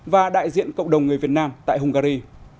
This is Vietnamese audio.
và đại diện cộng đồng người việt nam tại hungary